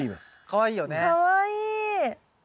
かわいい！